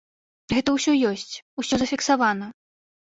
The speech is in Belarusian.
Гэта ўсё ёсць, усё зафіксавана.